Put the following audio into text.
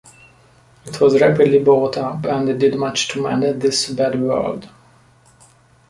It was rapidly bought up and did much to mend this bad world.